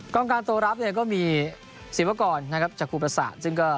การตัวรับเนี่ยก็มีศิวากรนะครับจากครูประสาทซึ่งก็